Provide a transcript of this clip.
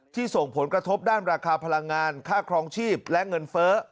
ส่งผลกระทบด้านราคาพลังงานค่าครองชีพและเงินเฟ้อ